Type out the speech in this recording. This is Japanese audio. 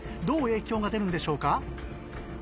どう影響が出るんでしょうか？